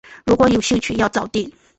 如果有兴趣要早定